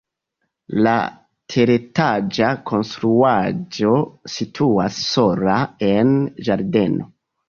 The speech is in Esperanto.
La teretaĝa konstruaĵo situas sola en ĝardeno.